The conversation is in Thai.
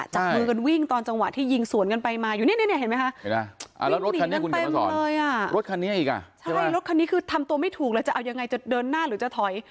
ใช่รถคันนี้คือทำตัวไม่ถูกแล้วจะเอายังไงจะเดินหน้าหรือจะถอย